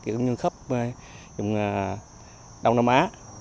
cũng như khắp đông nam á